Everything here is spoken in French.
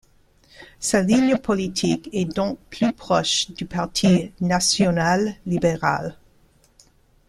Sa ligne politique est donc plus proche du parti national-libéral.